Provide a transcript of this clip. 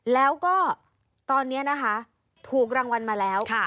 แล้วก็ตอนนี้นะคะถูกรางวัลมาแล้ว